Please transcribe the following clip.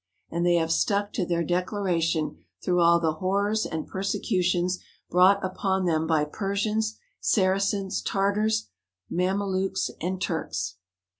And they have stuck to their declaration through all the horrors and persecutions brought upon them by Persians, Saracens, Tartars, Mamelukes, and Turks.